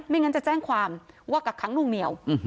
งั้นจะแจ้งความว่ากักค้างนุ่งเหนียว